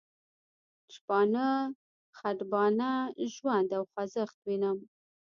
شپانه، خټبانه، ژوند او خوځښت وینم.